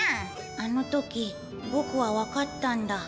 あの時、僕は分かったんだ。